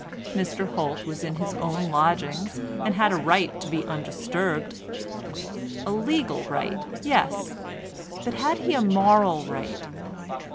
Mr Holt was in his own lodgings, and had a right to be undisturbed. A legal right, yes, but had he a moral right?